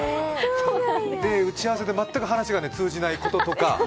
打ち合わせで全く話が通じないこととか。